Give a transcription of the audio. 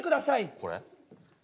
これ？